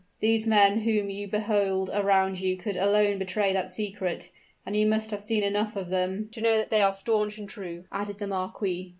"These men whom you behold around you could alone betray that secret; and you must have seen enough of them " "To know that they are stanch and true," added the marquis.